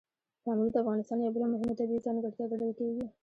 پامیر د افغانستان یوه بله مهمه طبیعي ځانګړتیا ګڼل کېږي.